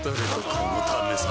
このためさ